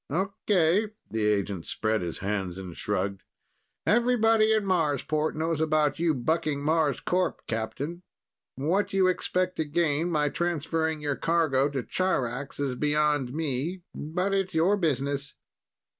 "Okay." The agent spread his hands and shrugged. "Everybody at Marsport knows about you bucking Marscorp, Captain. What you expect to gain by transferring your cargo to Charax is beyond me, but it's your business."